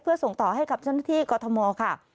เพื่อส่งต่อให้กับเจ้าหน้าที่กรทมค่ะ